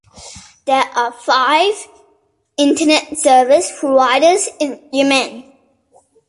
There are five Internet service providers in Yemen.